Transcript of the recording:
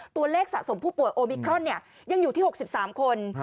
ตัวเลขสะสมผู้ป่วยโอมิครอนยังอยู่ที่๖๓คน